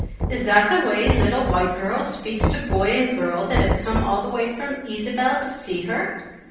"Is that the way little white girl speaks to boy and girl that have come all the way from Ysabel to see her?"